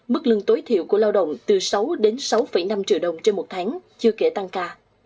mức lương tối thiểu của lao động từ sáu đến sáu năm triệu đồng trên một tháng chưa kể tăng ca